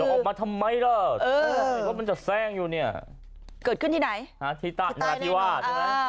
จะออกมาทำไมล่ะเหมือนมันจะแซงอยู่เนี่ยเกิดขึ้นที่ไหนที่ใต้นราธิวาส